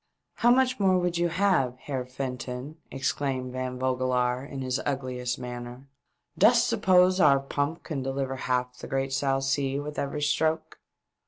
" How much more would you have, Heer Fenton ?" exclaimed Van Vogelaar, in his 'Ugliest manner. " Dost suppose our pump can deliver half the great South Sea with every stroke